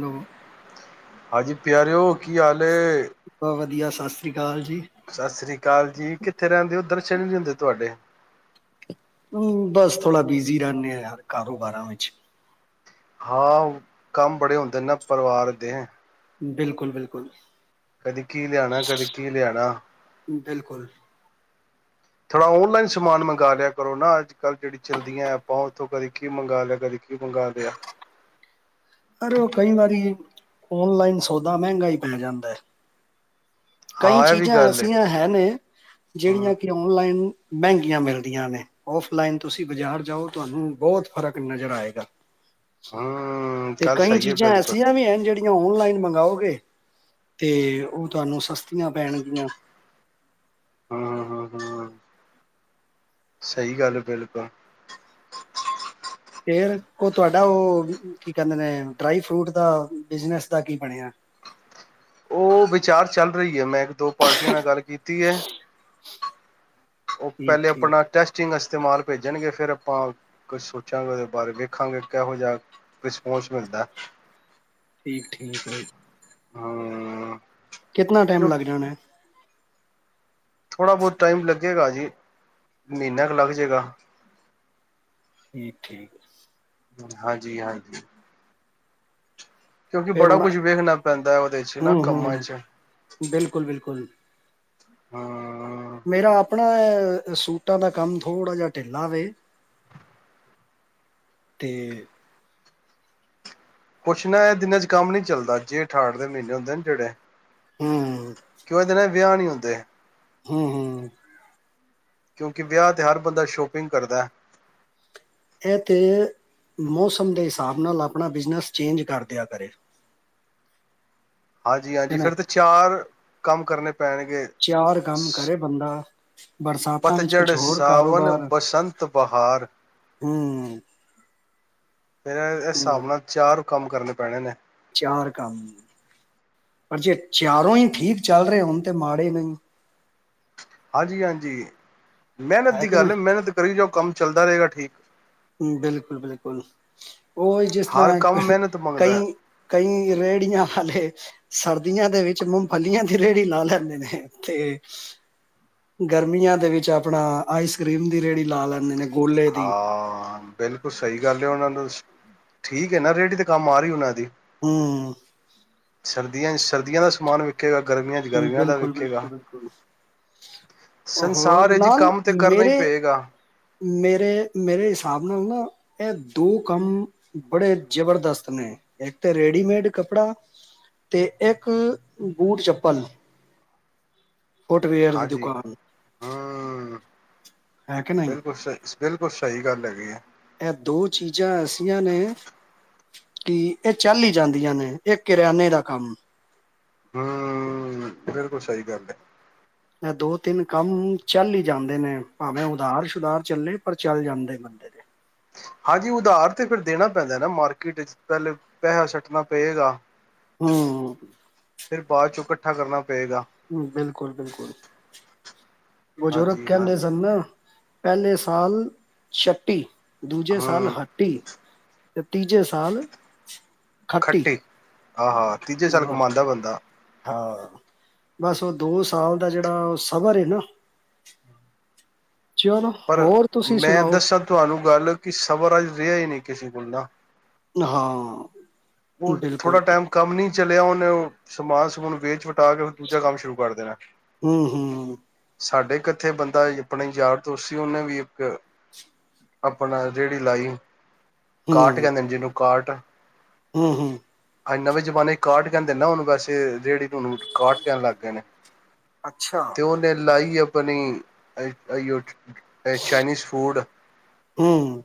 Hello ਹਜੀ ਪਿਆਰੇ ਹੋ ਬਾ ਕੀੀ ਆੇ ਸ਼ਾਸਤਰੀ ਸਤਿ ਸ੍ਰੀ ਅਕਾਲ ਜੀ ਕਿੱਥੇ ਰਹਿੰਦੇ ਹੋ ਦਰਸ਼ਨ ਨੀ ਹੁੰਦੇ ਤੁਹਾਡੇ। ਹੂ ਬਸ ਥੋੜ੍ਹਾ ਬੂਸੀ ਰਹਿੰਦੇ ਆਾਂ ਯਾਰ ਕਾਰੋਬਾਰਾਂ ਵਿੱਚ। ਹਾਂ ਕੰਮ ਬੜੇ ਹੁੰਦੇ ਨਾ ਪਰਿਵਾਰ ਦੇ। ਬਿਲਕੁਲ ਬਿਲਕੁਲ। ਕਦੀਕੀ ਲਿਆਣਾ ਕਦੀਕੀ ਲਿਆਣਾ। ਬਿਲਕੁਲ। [unintelligible] ਥੋੜ੍ਹਾ ਓਨਲਾਈਨ ਸਮਾਨ ਮੰਗ ਲਿਆ ਕਰੋ ਨਾ ਅੱਜ ਕੱਲ੍ਹ ਜਿਹੜੀ ਚੱਲਦੀਆਂ ਐਪਾਂ ਉੱਥੋਂ ਕਦੇ ਕੀ ਮੰਗਵਾ ਲਿਆ ਕਦੇ ਕੀ ਮੰਗ ਲਿਆ। ਯ ਉਹ ਕਈ ਵਾਰੀ ਓਨਲਾਈਨ ਸੌਦਾ ਮਹਿੰਗਾ ਹੀ ਪੈ ਜਾਂਦਾ ਹੈ। ਕਈ ਹਾਂ ਇਹ ਵੀ ਚੀਜ਼ਾਂ ਗੱਲ ਏ ਐਸੀਆਂ ਹੈ ਨੇ ਜਿਹੜੀਆਂ ਹੂੰ ਕਿ ਓਨਲਾਈਨ। ਮਹਿੰਗੀਆਂ ਮਿਲਦੀਆਂ ਨੇ ਔਫਲਾਈਨ ਤੁਸੀਂ ਬਾਜ਼ਾਰ ਜਾਓ ਤੁਹਾਨੂੰ ਬਹੁਤ ਫ਼ਰਕ ਨਜ਼ਰ ਆਏਗਾ। ਹਾਂ। ਤੇ ਕਈ ਚੀਜ਼ਾਂ ਐਸੀਆਂ ਵੀ ਹਨ ਜਿਹੜੀਆਂ ਓਨਲਾਈਨ ਮੰਗ। ਗਾਓਗੇ। ਤੇ ਉਹ ਤੁਹਾਨੂੰ ਸਸਤੀ। [inaudible] ਸਸਤੀਆਂ ਪੈਣਗੀਆਂ ਹਾਂ ਹਾਂ ਹ ਸਹੀ ਗੱਲ ਬਿਲਕੁਲ। ਫਿਰ ਉਹ ਤੁਹਾਡਾ ਉਹ ਕੀ ਕਹਿੰਦੇ ਨੇ ਡਰਾਈ ਫਰੂਟ ਦਾ ਬਿਜਨਸ ਦਾ ਕੀ ਬਣਿਆ। ਉਹ ਵਿਚਾਰ ਚੱਲ ਰਹੀ ਹੈ ਮੈਂ। ਦੋ ਪਾਰਟੀਆਂ ਨਾਲ ਗੱਲ ਕੀਤੀ ਹੈ। ਉਹ ਠੀਕ ਪਹਿਲੇ ਠੀਕ ਆਪਣਾ ਟੈਸਟਿੰਗ ਇਸਤੇਮਾਲ। ਭੇਜਣਗੇ ਫੇਿਰ ਆਪਾਂ ਕੁਛ ਸੋਚਾਂਗੇ ਉਹਦੇ ਬਾਹਾਰੇ ਵੇਖਾਂਗੇ ਕਿਹੋ ਜਿਹਾ ਰਿਸਪੋਂਸ ਮਿਲਦਾ। ਠੀਕ ਠੀਕ ਆ। ਹਾਂ। ਕਿਤਨਾ ਟਾਈਮ ਲੱਗ ਜਾਣਾ। ਥੋੜ੍ਹਾ ਬਹੁਤ ਟਾਈਮ ਲੱਗੇਗਾ ਜੀ ਮਹੀਨਾੇ ਕੁ ਲੱਗ ਜਾਏਗਾ। ਠੀਕ ਠੀਕ। ਹਾਂਜੀ ਹਾਂਜੀ। ਕਿਉਂਕਿ ਫੇਰ ਬੜਾ ਹੁਣ ਕੁਛ ਵੇਖਣਾ ਪੈਂਦਾ ਹੈ ਉਹਦੇ ਚ ਨਾ ਹੂੰ ਕੰਮਾਂ ਹੂੰ ਚ। ਬਿਲਕੁਲ ਬਿਲਕੁਲ ਹਾਂ। ਮੇਰਾ ਆਪਣਾ ਸੂਟਾਂ ਦਾ ਕੰਮ ਥੋੜ੍ਹਾ ਜਿਹਾ ਢਿੱਲਾ ਵੇ ਤੇ। ਕੁਛ ਨਾ ਇਹ ਦਿਨਾਂ ਚ ਕੰਮ ਨੀ ਚੱਲਦਾ ਜੇ ਅਠਾਠ ਦੇ ਮਹੀਨੇ ਹੁੰਦੇ ਨਾ ਜਿਹੜੇ ਹੂੰ ਕਿਉ ਇਹ ਦਿਨਾਂ ਵਿਆਹ ਨਹੀਂ ਹੁੰਦੇ। ਹੂ ਹੂ। ਕਿਉਂਕਿ ਵਿਆਹ 'ਤੇ ਹਰ ਬੰਦਾ ਸ਼ਾਪਿੰਗ ਕਰਦਾ ਹੈ। ਇਹ ਤੇ ਮੌਸਮ ਦੇ ਹਿਸਾਬ ਨਾਲ ਆਪਣਾ ਬਿਜਨਸ ਚੇਂਜ ਕਰਦਿਆਂ ਕਰੇ। ਹਾਂਜੀ ਹੈ ਹਾਂਜੀ ਨਾ ਫਿਰ ਤੇ ਚਾਰ। ਕੰਮ ਕਰਨੇ। ਪੈਣਗੇ ਚਾਰ ਕੰਮ ਕਰੇ ਬੰਦਾ। ਬਰਸਾਤਾਂ ਵਿੱਚ ਕੁਝ ਪਤਝੜ੍ਹ ਹੋਰ ਸਾਵਣ ਕਾਰੋਬਾਰ ਬਸੰਤ ਬਹਾਰ। ਹੂੰ ਫਿਰ ਹੂੰ, ਹਿਸਾਬ ਨਾਲ ਚਾਰ। [unintelligible] ਕੰਮ ਕਰਨੇ ਪੈਣੇ ਨੇ। [unintelligible] ਚਾਰ ਕੰਮ ਪਰ ਜੇ ਚਾਰੋਂ ਹੀ ਠੀਕ ਚੱਲ ਰਹੇ ਹੋਣ ਤੇ ਮਾੜੇ ਨਹੀਂ [unintelligible] ਹਾਂਜੀ ਹਾਂਜੀ। [unintelligible] ਮਿਹਨਤ ਹੈ ਦੀ ਕਿ ਨਹੀਂ ਗੱਲ ਮਿਹਨਤ ਕਰੀ ਜਾਓ ਕੰਮ ਚੱਲਦਾ ਰਹੇਗਾ ਠੀਕ। [unintelligible] ਹੂ ਬਿਲਕੁਲ ਬਿਲਕੁਲ। [unintelligible] ਉਹ ਜਿਸ ਹਰ ਕੰਮ ਤਰ੍ਹਾਂ ਮਿਹਨਤ ਕਈ ਮੰਗਦਾ ਹੈ ਕਈ ਰੇਹੜੀਆਂ ਵਾਲੇ। [unintelligible] ਸਰਦੀਆਂ ਦੇ ਵਿੱਚ ਮੂੰਗਫਲੀਆਂ ਦੀ ਰੇਹੜੀ ਲਾ ਲੈਂਦੇ ਨੇ ਤੇ। [unintelligible] ਗਰਮੀਆਂ ਦੇ ਵਿੱਚ ਆਪਣਾ ਆਈਸ ਕਰੀਮ। [unintelligible] ਹਾਂ ਬਿਲਕੁਲ ਸਹੀ ਗੱਲ ਹੈ ਉਹਨਾਂ ਨੂੰ। [unintelligible] ਠੀਕ ਹੈ ਨਾ ਰੇਹੜੀ ਤੇ ਕੰਮ ਆ ਰਹੀ ਉਹਨਾਂ ਦੀ। [unintelligible] ਹਉ। [unintelligible] ਸਰਦੀਆਂ ਸਰਦੀਆਂ ਦਾ ਸਮਾਨ ਵੇਖੇਗਾ- [unintelligible] ਗਰਮੀਆਂ ਚ ਹੂੰ, ਗਰਮੀਆਂ ਦਾ ਬਿਲਕੁਲ ਬਿਲਕੁਲ ਵੇਖੇਗਾ ਬਿਲਕੁਲ ਸੰਸਾਰ ਹੋਰ ਇਹ ਜੀ ਨਾਲ ਕੰਮ ਤੇ ਕਰਨਾ ਹੀ ਮੇਰੇ ਪਏਗਾ। [unintelligible] ਮੇਰੇ ਮੇਰੇ ਹਿਸਾਬ ਨਾਲ ਨਾ ਇਹ ਦੋ ਕੰਮ ਬੜੇ ਜਬਰਦਸਤ ਨੇ ਇੱਕ ਤੇ ਰੇਡੀਮੇਡ ਕੱਪੜਾ ਤੇ ਇੱਕ ਬੂਟ ਚੱਪਲ- [unintelligible] ਫੁੱਟਵੇਅਰ ਦੀ ਹਾਂਜੀ ਦੁਕਾਨ ਹਾ। [unintelligible] ਹੈ ਕਿ ਨਹੀਂ ਬਿਲਕੁਲ ਸਹੀ ਬਿਲਕੁਲ ਸਹੀ ਗੱਲ ਹੈਗੀ ਆ। [unintelligible] ਇਹ ਦੋ ਚੀਜ਼ਾਂ ਐਸੀਆਂ ਨੇ ਕਿ ਇਹ ਚੱਲ ਹੀ ਜਾਂਦੀਆਂ ਨੇ ਇਹ ਕਿਰਾਨੇ ਦਾ ਕੰਮ। [unintelligible] ਹਾ ਬਿਲਕੁਲ ਸਹੀ ਗੱਲ ਹੈ। [unintelligible] ਇਹ ਦੋ ਤਿੰਨ ਕੰਮ ਚੱਲ ਹੀ ਜਾਂਦੇ ਨੇ ਭਾਵੇਂ ਉਧਾਰ ਸੁਧਾਰ ਚੱਲੇ ਪਰ ਚੱਲ ਜਾਂਦੇ ਬੰਦੇ ਦੇ। [unintelligible] ਹਾਂਜੀ ਉਧਾਰ ਤੇ ਫਿਰ ਦੇਣਾ ਪੈਂਦਾ ਨਾ ਮਾਰਕੀਟ ਚ ਪਹਿਲੇ ਪੈਸਾ ਛੱਟਣਾ ਪਏਗਾ। [unintelligible] ਹੂ। [unintelligible] ਬਾਅਦ ਚੋਂ ਇਕੱਠਾ ਕਰਨਾ। ਪਏਗਾ [unintelligible] ਹਉ ਬਿਲਕੁਲ ਬਿਲਕੁਲ ਬਜ਼ੁਰਗ ਹਾਂਜੀ ਕਹਿੰਦੇ ਹਾਂਜੀ ਸਨ ਨਾ। [unintelligible] ਪਹਿਲੇ ਸਾਲ ਛੱਟੀ। [unintelligible] ਦੂਜੇ ਸਾਲ ਹਮ ਹੱਟੀ। [unintelligible] ਤੇ ਤੀਜੇ ਸਾਲ- [unintelligible] ਖੱਟੀ। [unintelligible] ਆਹੋ ਤੀਜੇ ਸਾਲ ਵਾਹ ਕਮਾਦਾ ਬੰਦਾ। [unintelligible] ਬਸ ਉਹ ਦੋ ਸਾਲ ਦਾ ਜਿਹੜਾ ਉਹ ਸਬਰ ਨਾ। ਚਲੋ ਪਰ ਹੋਰ ਤੁਸੀਂ ਮੈਂ ਸੁਣਾਓ ਦੱਸਾਂ ਤੁਹਾਨੂੰ ਗੱਲ ਕਿ ਸਮਿਰਾਇਜ ਰਿਹਾ ਹੀ ਨਹੀਂ ਕਿਸੇ ਕੋਲ ਨਾ। ਹਾ। ਉਹ ਥੋੜਾ ਟਾਈਮ ਕੰਮ ਨਹੀਂ। ਚਲਿਆ ਉਹਨੇ ਉਹ ਸਮਾਨ ਸਮੂਨ ਵੇਚ ਵਟਾ ਕੇ ਦੂਜਾ ਕੰਮ ਸ਼ੁਰੂ ਕਰ ਦੇਣਾ। ਹੂ ਹੂ। ਸਾਡੇ ਇਕ ਇਥੇ ਬੰਦਾ ਆਪਣੇ ਯਾਰ ਦੋਸਤ ਸੀ ਉਹਨੇ ਵੀ ਇੱਕ ਆਪਣਾ ਰੇਹੜੀ ਲਾਈ। ਕਾਰਟ ਕਹਿੰਦੇ ਨੇ ਜਿਹਨੂੰ ਕਾਰਟ ਹਮ ਹਮ ਅੱਂ ਨਵੇਂ ਜਮਾਨੇ ਚ ਕਾਰਟ ਕਹਿੰਦੇ ਨਾ ਹੁਣ ਵੈਸੇ ਰੇਹੜੀ ਕਾਰਟ ਕਹਿਣ ਲੱਗ ਗਏ ਨੇ ਅੱਛਾ ਤੇ ਉਹਨੇ ਲਾਈ [unintelligible] ਚਾਈਨੀਜ਼ ਫੂਡ ਹੂੰ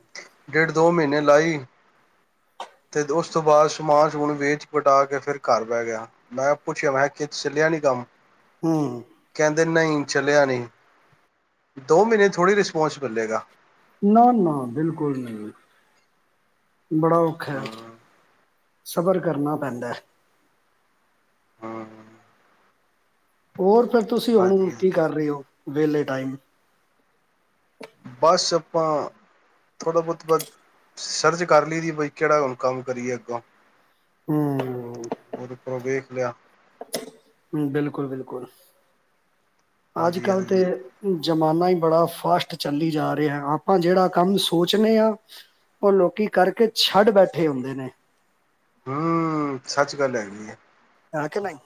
ਡੇਢ ਦੋ ਮਹੀਨੇ ਲਾਈ ਅਤੇ ਉਸ ਉਸ ਤੋਂ ਬਾਅਦ ਸਮਾਨ ਹੁਣ ਵੇਚ ਵਟਾ ਕੇ ਫਿਰ ਘਰ ਬਹਿ ਗਿਆ ਮੈਂ ਕਿਹਾ ਪੁੱਛਿਆ ਮੈਂ ਕਿਹਾ ਕਿ ਚੱਲਿਆ ਨੀ ਕੰਮ ਹਮ ਦਿ ਨਹੀਂ ਚੱਲਿਆ ਨਹੀਂ ਦੋ ਮਹੀਨੇ ਥੋੜ੍ਹੀ ਰਿਸਪੋਂਸ ਮਿਲੇਗਾ ਨਾ ਨਾ ਬਿਲਕੁਲ ਨਹੀਂ ਬੜਾ ਔਖਾ ਹੈ ਹਮ ਸਬਰ ਕਰਨਾ ਪੈਂਦਾ ਹੈ ਹਮ ਹੋਰ ਫਿਰ ਤੁਸੀਂ ਹੁਣ ਹਾਂਜੀ ਕੀ ਹਾਂਜੀ ਕਰ ਰਹੇ ਹੋ ਵੇਹਲੇ ਟਾਈਮ ਬਸ ਆਪਾਂ ਥੋੜ੍ਹਾ ਬਹੁਤ ਬ ਸਰਚ ਕਰ ਲਈ ਦੀ ਬਈ ਕਿਹੜਾ ਹੁਣ ਕੰਮ ਕਰੀਏ ਅੱਗੋਂ ਹੂੰ ਉਹਦੇ [unintelligible] ਗਿਆ ਹਮ ਬਿਲਕੁਲ ਬਿਲਕੁਲ ਅੱਜ ਹਾਂਜੀ ਕੱਲ ਤੇ ਹਾਂਜੀ ਜ਼ਮਾਨਾ ਹੀ ਬੜਾ ਫਾਸਟ ਚੱਲੀ ਜਾ ਰਿਹਾ ਆਪਾਂ ਜਿਹੜਾ ਕੰਮ ਸੋਚਦੇ ਹਾਂ ਉਹ ਲੋਕੀ ਕਰਕੇ ਛੱਡ ਬੈਠੇ ਹੁੰਦੇ ਨੇ ਹਮ ਸੱਚ ਗੱਲ ਹੈਗੀ ਹੈ ਹੈ ਕਿ ਨਹੀਂ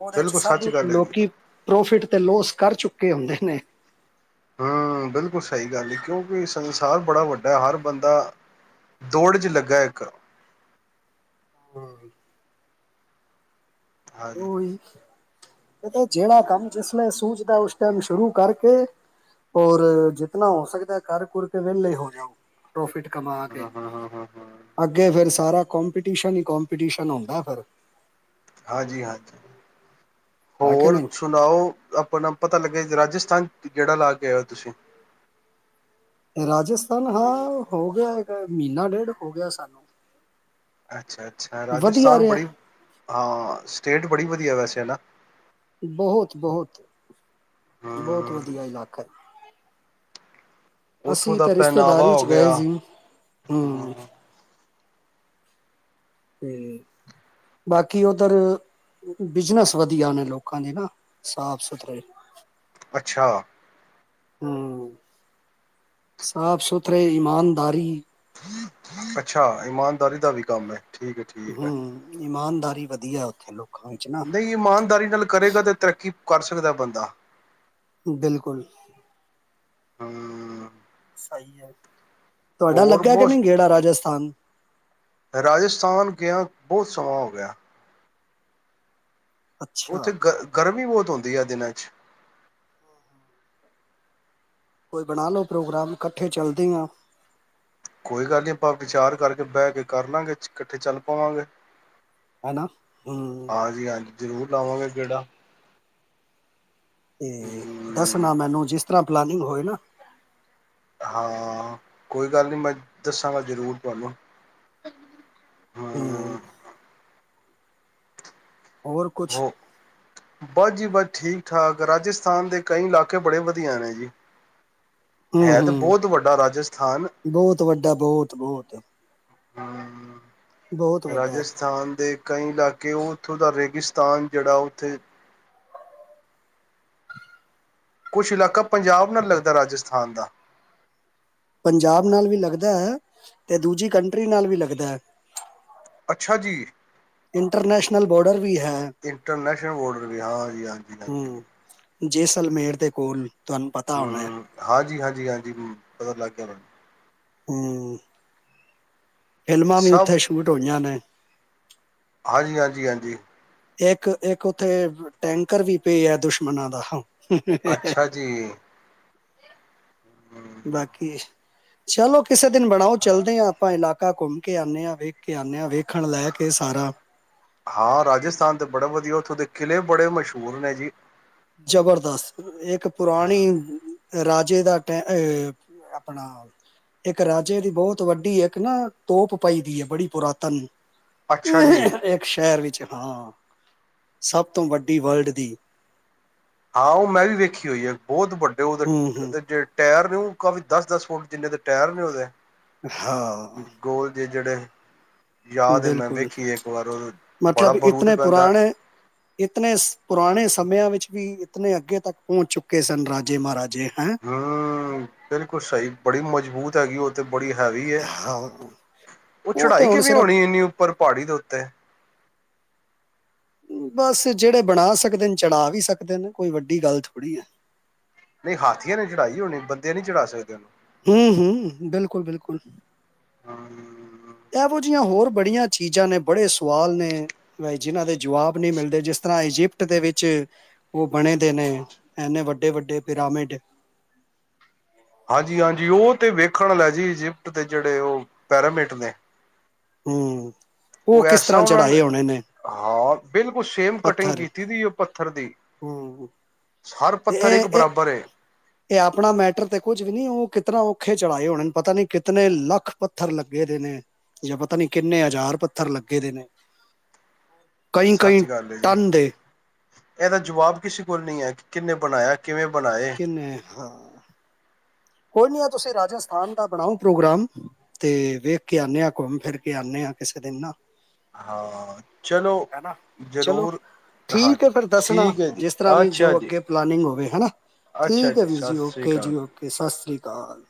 ਉਹਦੇ ਚ ਬਿਲਕੁਲ ਸਭ ਸੱਚ ਗੱਲ ਹੈਗੀ ਲੋਕੀ ਪ੍ਰੋਫਿਟ ਤੇ ਲੋਸ ਕਰ ਚੁੱਕੇ ਆਉਂਦੇ ਨੇ ਹਮ ਬਿਲਕੁਲ ਸਹੀ ਗੱਲ ਹੈ ਕਿਉਂਕਿ ਸੰਸਾਰ ਬੜਾ ਵੱਡਾ ਹੈ ਹਰ ਬੰਦਾ ਦੌੜ ਚ ਲੱਗਾ ਇੱਕ ਹਮ ਹਾਂਜੀ ਓਹੀ ਇਹ ਜਿਹੜਾ ਕੰਮ ਜਿਸ ਸੂਝਦਾ ਉਸ ਟਾਈਮ ਸ਼ੁਰੂ ਕਰਕੇ ਔਉਰ ਜਿਤਨਾ ਹੋ ਸਕਦਾ ਕਰ ਕੁਰ ਕੇ ਵਿਹਲੇ ਹੋ ਜਾਓ ਪ੍ਰੋਫਿਟ ਕਮਾ ਕੇ ਅੱਗੇ ਫਿਰ ਸਾਰਾ ਕੋਂਪੀਟੀਸ਼ਨ ਹੀ ਕੋਂਪੀਟੀਸ਼ਨ ਹੁੰਦਾ ਫਿਰ ਹਾਂਜੀ ਹਾਂ ਹੈ ਕਿ ਹੋਰ ਨਹੀਂ ਸੁਣਾਓ ਆਪਣਾ ਪਤਾ ਲੱਗੇ ਰਾਜਸਥਾਨ ਜੇਹੜਾ ਲਾ ਕੇ ਆਇ ਹੋ ਤੁਸੀਂ ਰਾਜਸਥਾਨ ਹਾਂ ਹੋ ਗਿਆ ਮਹੀਨਾ ਡੇਢ ਹੋ ਗਿਆ ਸਾਨੂੰ ਅੱਛਾ ਅੱ ਅੱਛਾ ਵਧੀਆ ਰਾਜਸਥਾਨ ਰਿਹਾ ਬੜੀ ਹਾਂ ਸਟੇਟ ਬੜੀ ਵਧੀਆ ਵੈਸੇ ਨਾ ਬਹੁਤ ਬਹੁਤ ਬਹੁਤ ਹੂੰ ਵਧੀਆ ਇਲਾਕਾ ਉੱਥੋਂ ਅਸੀਂ ਦਾ ਤਾਂ ਪਹਿਨਾਵਾ ਰਿਸ਼ਤੇਦਾਰੀ ਚ ਹੋ ਗਏ ਗਿਆ ਸੀ ਹਮ ਹੂੰ, ਤੇ ਬਾਕੀ ਉੱਧਰ ਬਿਜਨਸ ਵਧੀਆ ਉਹਨੇ ਲੋਕਾਂ ਦੇ ਨਾ ਸਾਫ ਸੁਥਰੇ ਅੱਛਾ ਹਮ ਸਾਫ਼ ਸੁਥਰੇ ਈਮਾਨਦਾਰੀ ਅੱਛਾ ਇਮਾਨਦਾਰੀ ਦਾ ਵੀ ਕੰਮ ਹੈ ਠੀਕ ਹੈ ਠੀਕ ਹੈ ਹਮ ਇਮਾਨ ਾਰੀ ਵਧੀਆ ਉਥੇ ਨਹੀਂ ਇਮਾਨਦਾਰੀ ਨਾਲ ਕਰੇਗਾ ਤੇ ਤਰੱਕੀ ਕਰ ਸਕਦਾ ਬੰਦਾ ਬਿਲਕੁਲ ਹਮ ਸਹੀ ਹੈ ਤੁਹਾਡਾ ਹੋਰ ਲੱਗਾ ਕਿ ਨਹੀਂ ਗੇੜਾ ਰਾਜਸਥਾਨ ਰਾਜਸਥਾਨ ਗਿਆ ਬਹੁਤ ਸੋਵਾਹ ਹੋ ਗਿਆ ਅੱਛਾ ਉੱਥੇ ਗ ਗਰਮੀ ਬਹੁਤ ਹੁੰਦੀ ਆ ਦਿਨਾਂ ਚ ਕੋਈ ਬਣਾ ਲਓ ਪ੍ਰੋਗਰਾਮ ਇਕੱਠੇ ਚਲਦੇ ਹ ਕੋਈ ਗੱਲ ਨੀ ਆਪਾਂ ਵਿਚਾਰ ਕਰਕੇ ਬਹਿ ਕੇ ਕਰ ਲਾਂਗੇ ਇਕੱਠੇ ਚੱਲ ਪਾਵਾਂਗੇ ਹੈਨਾ ਹਮ ਹਾਂਜੀ ਹਾਂਜੀ ਜ਼ਰੂਰ ਲਾਵਾਂਗੇ ਕਿਹੜਾ ਤੇ ਹਮ ਦੱਸਣਾ ਮੈਨੂੰ ਜਿਸ ਪਲਾਨਗ ਹੋਏ ਨਾ ਹਾਂ ਕੋਈ ਗੱਲ ਨੀ ਮੈਂ ਦੱਸਾਂਗਾ ਜ਼ਰੂਰ ਤੁਹਾਨੂੰ ਹਮ ਹੋਰ ਕੁਛ ਹੋ ਬਸ ਜੀ ਬਸ ਠੀਕ ਠਾਕ ਰਾਜਸਥਾਨ ਦੇ ਕਈ ਇਲਾਕੇ ਬੜੇ ਵਧੀਆ ਨੇ ਜੀ ਹਮ ਹੈ ਤਾਂ ਹਮ ਬਹੁਤ ਵੱਡਾ ਰਾਜਸਥਾਨ ਬਹੁਤ ਵੱਡਾ ਬਹੁਤ ਬਹੁਤ ਤੇ ਹਮ ਰਾਜਸਥਾਨ ਦੇ ਕਈ ਇਲਾਕੇ ਉਹ ਉੱਥੋਂ ਦਾ ਰੇ ਪਾਕਿਸਤਾਨ ਜਹੜਾ ਉੱਥੇ [unintelligible] ਕੁਝ ਇਲਾਕਾ ਪੰਜਾਬ ਨਾਲ ਲੱਗਦਾ ਰਾਜਸਥਾਨ ਦਾ ਪੰਜਾਬ ਨਾਲ ਵੀ ਲੱਗਦਾ ਹੈ ਤੇ ਦੂਜੀ ਕੰਟਰੀ ਨਾਲ ਵੀ ਲੱਗਦਾ ਹੈ ਅੱਛਾ ਜੀ ਇੰਟਰਨੈਸ਼ਨਲ ਬੋਰਡਰ ਵੀ ਹੈ ਇੰਟਰਨੈਸ਼ਨਲ ਬੋਡਰ ਵੀ ਹਾਂਜੀੀ ਹਾਂਜੀ ਹਾਂਜੀ ਹਮ ਜੈਸਲਮੇਰ ਦੇ ਕੋਲ ਤੁਹਾਨੂੰ ਪਤਾ ਹੋਣਾ ਹੈ ਹਮ ਹ ਹਾਂਜੀ ਹਾਂਜੀ ਹਾਂਜੀ ਪਤਾ ਲੱਗ ਗਿਆ ਹਮ ਫ਼ਿਲਮਾਂ ਵੀ ਸਭ ਉੱਥੇ ਸ਼ੂਟ ਹੋਈਆਂ ਨੇ ਹਾਂਜੀ ਹਾਂਜੀ ਹਾਂਜੀ ਇੱਕ ਇੱਕ ਉੱਥੇ ਟੈਂਕਰ ਵੀ ਪਏ ਆ ਦੁਸ਼ਮਣ ਦਾ ਅੱਛਾ ਜੀ ਬਾਕੀ ਚਲੋ ਕਿਸੇ ਦਿਨ ਬਣਾਓ ਚੱਲਦੇ ਹਾਂ ਆਪਾਂ ਇਲਾਕੇ ਪੱਕਾ ਘੁੰਮ ਕੇ ਆਉਂਦੇ ਆਾਂ ਵੇਖ ਕੇ ਆਉਂਦੇ ਹਾਂ ਵੇਖਣ ਲੈ ਕੇ ਸਾਰਾ ਹਾਂ ਰਾਜਸਥਾਨ ਤੇ ਬੜੇ ਵਧੀਆ ਉੱਥੋਂ ਦੇ ਕਿਲ੍ਹੇ ਬੜੇ ਮਸ਼ਹੂਰ ਨੇ ਜੀ ਜ਼ਬਰਦਸਤ ਇੱਕ ਪੁਰਾਣੀ ਰਾਜੇ ਦਾ ਟ ਆਪਣਾ ਇੱਕ ਰਾਜੇ ਦੀ ਬਹੁਤ ਵੱਡੀ ਇੱਕ ਨਾ ਤੋਪ ਪਾਈ ਦੀ ਹੈ ਬੜੀ ਪੁਰਾਤਨ ਅੱਛਾ ਜੀ ਇੱਕ ਸ਼ਹਿਰ ਵਿੱਚ ਹਾਂ ਸਭ ਤੋਂ ਵੱਡੀ ਵਰਲਡ ਦੀ ਹਾਂ ਉਹ ਮੈਂ ਵੀ ਵੇਖੀ ਹੋਈ ਆ ਬਹੁਤ ਵੱਡੇ ਹੂੰ ਹੂੰ ਉਹਦੇਦੇ ਜ ਟਾਇਰ ਕਾਫੀ ਦਸ ਦਸ ਫੁੱਟ ਜਿੰਨੇ ਦੇ ਟਾਇਰ ਨੇ ਉਹਦੇ ਹਾਂ ਜਿੜੇ ਬਿਲਕੁਲ ਬੜਾ ਮਤਲਬ ਬਰੂਦ ਇਤੇ ਪੈਂਦਾ ਪੁਰਾਣੇ ਇਤਨ ਪੁਰਾਣੇ ਸਮਿਆਂ ਵਿੱਚ ਵੀ ਇਤੇ ਅੱਗੇ ਤੱਕ ਪਹੁੰਚ ਚੁੱਕੇ ਸਨ ਰਾਜੇ ਮਹਾਰਾਜੇ ਹੈਂ ਹਮ ਬਿਲਕੁਲ ਸਹੀ ਬੜੀ ਮਜ਼ਬੂਤ ਹੈਗੀ ਉਹ ਤੇ ਬੜੀ ਹੈਵੀ ਹੈ ਹਾਂ ਉਹ ਤੇ ਚੜਾਈ ਹੁਣ ਕਿਵੇਂ ਸਿਰਫ ਹੋਣੀ ਇੰਨੀ ਉੱਪਰ ਪਹਾੜੀ ਦੇ ਉੱਤੇ ਬਸ ਜਿਹੜੇ ਬਣਾ ਸਕਦੇ ਨੇ ਚੜਾ ਵੀ ਸਕਦੇ ਨੇ ਕੋਈ ਵੱਡੀ ਗੱਲ ਥੋੜ੍ਹੀ ਹੈ ਨਹੀਂ ਹਾਥੀੀਆਂ ਨੇ ਚੜਾਈ ਹੋਣੀ ਬੰਦੇ ਨੀ ਚੜਾ ਸਕਦੇ ਉਹਨੂੰ ਹਮ ਹਮ ਬਿਲਕੁਲ ਬਿਲਕੁਲ ਇਹੋ ਜਿਹੀਆਂ ਹੋਰ ਬੜੀਆਂ ਚੀਜ਼ਾਂ ਨੇ ਬੜੇ ਸਵਾਲ ਨੇ ਜਿਨਾਂ ਦੇ ਜਵਾਬ ਨਹੀਂੀ ਮਿਲਦੇ ਜਿਸ ਤਰ੍ਹਾਂ ਇਜਿਪਟ ਦੇ ਵਿੱਚ ਉਹ ਬਣੇ ਦੇ ਨੇ ਇਨੇ ਵੱਡੇ ਵੱਡੇ ਪਿਰਾਮਿਡ ਹਾਂਜੀ ਹਾਂਜੀ ਉਹ ਤੇ ਵੇਖਣ ਲੈ ਜੀ ਇਜਿਪਟ ਦੇ ਜਿਹੜੇ ਉਹ ਪੈਰਾਮੇਟ ਨੇ ਹਮ ਉਹ ਕਿਸ ਤਰ੍ਹਾਂ ਚੜ੍ਹਾਏ ਹੋਣੇ ਨੇ ਹਾਂ ਬਿਲਕੁਲ ਸੇਮ ਕਟਿੰਗ ਪੱਥਰ। ਕੀਤੀ ਸੀੀ ਉਹ ਪੱਥਰ ਦੀ ਹੂੰ, ਹਰ ਤੇ ਪੱਥਰ ਇਹ ਇੱਕ ਇਹ ਬਰਾਬਰ ਇਹ ਆਪਣਾ ਮੈਟਰ ਤੇ ਕੁੱਝ ਵੀ ਨਹੀਂੀ ਉਹ ਕਿਤਨਾ ਔਖੇ ਚੜ੍ਹਾਏ ਹੋਣੇ ਪਤਾ ਨੀ ਕਿਤਨੇ ਲੱਖ ਪੱਥਰ ਲੱਗੇ ਦੇ ਨੇ ਜਾਂ ਪਤਾ ਨੀ ਕਿੰਨੇ ਹਜ਼ਾਰ ਪੱਥਰ ਲੱਗੇ ਦੇ ਨੇ ਕਈ-ਕਈ ਸੱਚ ਗੱਲ ਹੈ ਜੀ ਟਨ ਦੇ, ਇਹਦਾ ਜਵਾਬ ਕਿਸੇ ਕੋਲ ਨਹੀਂ ਹੈ ਕਿ ਕਿੰਨੇ ਬਣਾਇਆ ਕਿਵੇਂ ਬਣਾਏ ਕਿਨੇ ਹਾਂ ਕੋਈ ਨੀ ਆ ਤੁਸੀਂ ਰਾਜਸਥਾਨ ਦਾ ਬਣਾਓ ਪ੍ਰੋਗਰਾਮ ਤੇ ਵੇਖ ਕੇ ਆੇ ਆ ਘੁੰਮ ਫਿਰ ਕੇ ਆਉਂਦੇ ਆ ਕਿਸੇ ਦਿਨ ਨਾ ਹਾਂ ਚਲੋ ਹੈਨਾ ਚਲੋ ਜ਼ਰੂਰ ਠੀਕ ਹਾਂਜੀ ਹੈ ਫਿਰ ਦੱਸਣਾ ਠੀਕ ਹੈ ਜੀ ਅੱਛਾ ਜੀ ਹੈਾ ਅੱਛਾ ਠੀਕ ਹੈ ਵੀਰ ਸਤਿ ਜੀ ਸ੍ਰੀ ਓਕੇ ਅਕਾਲ ਜੀ ਓਕੇ ਸਤਿ ਸ਼੍ਰੀ ਅਕਾਲ